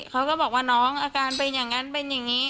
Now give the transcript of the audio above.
เขาก็บอกว่าน้องอาการเป็นอย่างนั้นเป็นอย่างนี้